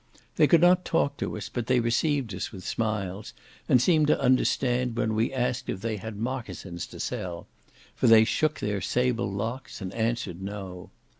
They could not talk to us, but they received us with smiles, and seemed to understand when we asked if they had mocassins to sell, for they shook their sable locks, and answered "no."